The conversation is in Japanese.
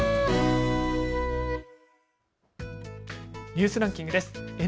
ニュースランキングです。